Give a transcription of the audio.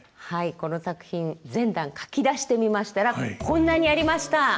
はいこの作品全段書き出してみましたらこんなにありました！